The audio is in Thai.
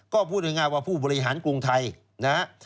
ก็พูดง่ายว่าผู้บริหารกรุงไทยนะฮะ